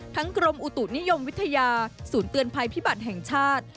กรมอุตุนิยมวิทยาศูนย์เตือนภัยพิบัติแห่งชาติ